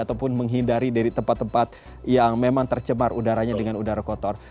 ataupun menghindari dari tempat tempat yang memang tercemar udaranya dengan udara kotor